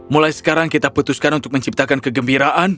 mulai sekarang kita putuskan untuk menciptakan kegembiraan